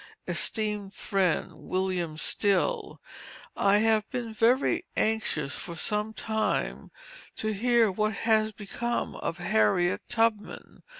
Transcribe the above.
ESTEEMED FRIEND, WILLIAM STILL: I have been very anxious for some time past, to hear what has become of Harriet Tubman.